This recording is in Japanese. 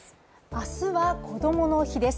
明日はこどもの日です。